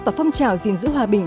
và phong trào gìn giữ hòa bình